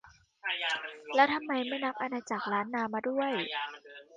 แล้วทำไมไม่นับอาณาจักรล้านนามาด้วย